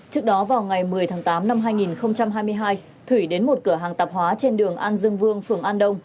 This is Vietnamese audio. trước đó vào ngày một mươi tháng tám năm hai nghìn hai mươi hai thủy đến một cửa hàng tạp hóa trên đường an dương vương phường an đông